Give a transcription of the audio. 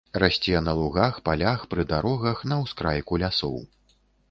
Расце на лугах, палях, пры дарогах, на ўскрайку лясоў.